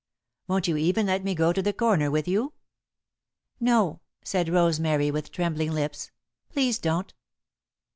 "Won't you even let me go to the corner with you?" "No," said Rosemary, with trembling lips, "please don't."